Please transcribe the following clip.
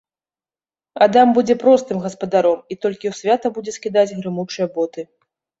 Адам будзе простым гаспадаром і толькі ў свята будзе скідаць грымучыя боты.